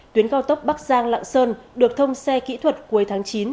tuyến cao tốc bắc giang lạng sơn được thông xe kỹ thuật cuối tháng chín